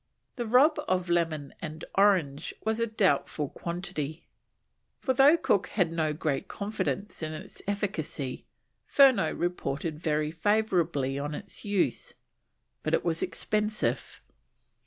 The Rob of Lemon and Orange was a doubtful quantity, for though Cook had no great confidence in its efficacy, Furneaux reported very favourably on its use, but it was expensive.